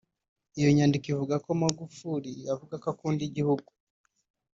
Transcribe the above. Iyo nyandiko ivuga ko Magufuli “avuga ko akunda igihugu